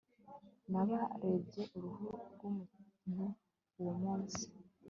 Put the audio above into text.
Nabarebye uruhu rwumuntu uwo munsi